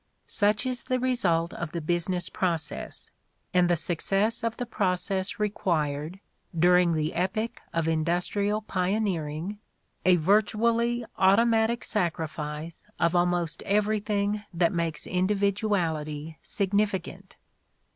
Such is the result of the business process, and the suc cess of the process required, during the epoch of indus trial pioneering, a virtually automatic sacrifice of almost everything that makes individuality significant.